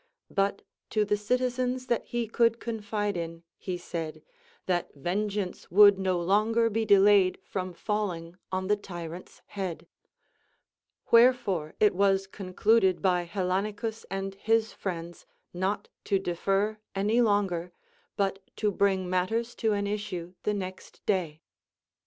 But to the citizens that he could confide in he said, that vengeance Avould no longer be delayed from falling on the tyrant's head. ΛVherefore it was concluded by Hellanicus and his friends not to defer any longer, but to bring matters to an issue the next day.